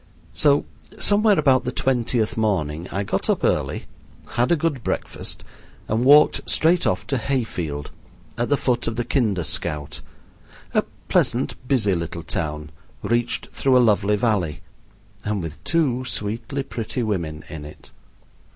So somewhere about the twentieth morning I got up early, had a good breakfast, and walked straight off to Hayfield, at the foot of the Kinder Scout a pleasant, busy little town, reached through a lovely valley, and with two sweetly pretty women in it.